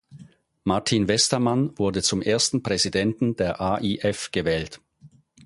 Martin Westermann wurde zum ersten Präsidenten der AiF gewählt.